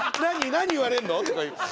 何言われんの？」とか言う。